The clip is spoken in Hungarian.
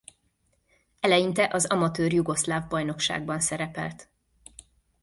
Eleinte az amatőr jugoszláv bajnokságban szerepelt.